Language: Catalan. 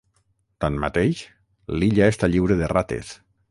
Tanmateix, l'illa està lliure de rates.